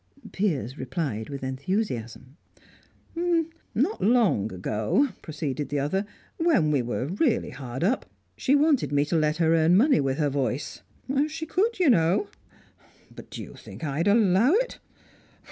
Piers replied with enthusiasm. "Not long ago," proceeded the other, "when we were really hard up, she wanted me to let her try to earn money with her voice. She could, you know! But do you think I'd allow it?